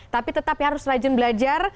tapi tetap harus rajin belajar